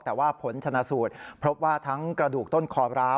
แต่ว่าผลชนะสูตรพบว่าทั้งกระดูกต้นคอร้าว